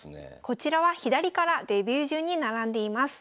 こちらは左からデビュー順に並んでいます。